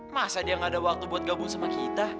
masa dia gak ada waktu buat gabung sama kita